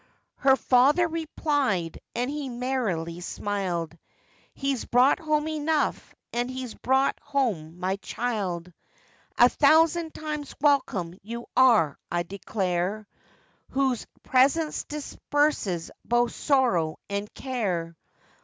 Her father replied, and he merrily smiled, 'He's brought home enough, as he's brought home my child; A thousand times welcome you are, I declare, Whose presence disperses both sorrow and care.